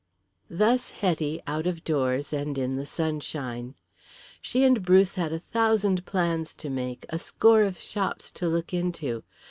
Thus Hetty out of doors and in the sunshine. She and Bruce had a thousand plans to make, a score of shops to look into.